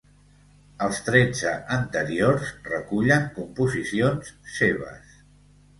Els tretze anteriors recullen composicions seves.